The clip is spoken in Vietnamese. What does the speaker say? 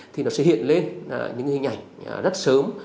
thì nó sẽ hiện lên những hình ảnh rất sớm